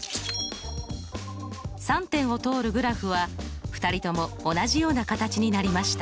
３点を通るグラフは２人とも同じような形になりました。